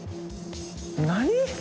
何？